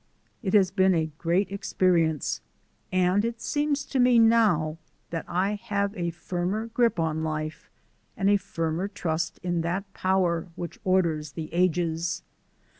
It has been a great experience; and it seems to me now that I have a firmer grip on life, and a firmer trust in that Power which orders the ages.